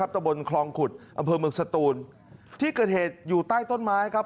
ตะบนคลองขุดอำเภอเมืองสตูนที่เกิดเหตุอยู่ใต้ต้นไม้ครับ